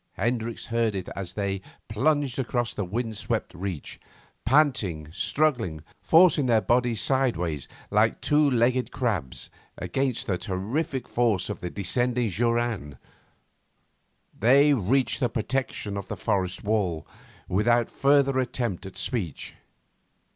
Hendricks heard it as they plunged across the windswept reach, panting, struggling, forcing their bodies sideways like two legged crabs against the terrific force of the descending joran. They reached the protection of the forest wall without further attempt at speech.